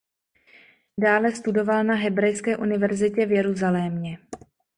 Dále studoval na Hebrejské univerzitě v Jeruzalémě.